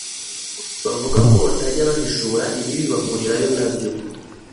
avuga ko batajya bahishura ibibi bahurirayo nabyo